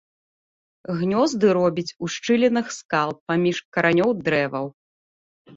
Гнёзды робіць у шчылінах скал, паміж каранёў дрэваў.